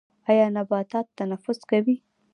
ایا نباتات تنفس کوي؟